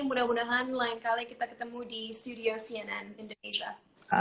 mudah mudahan lain kali kita ketemu di studio cnn indonesia